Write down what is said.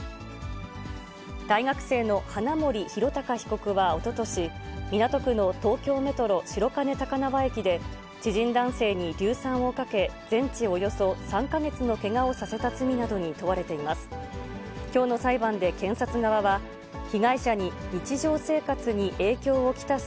大学生の花森弘卓被告はおととし、港区の東京メトロ白金高輪駅で、知人男性に硫酸をかけ、全治およそ３か月のけがをさせた罪などに問われています。